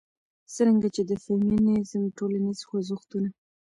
څرنګه چې د فيمنيزم ټولنيز خوځښتونه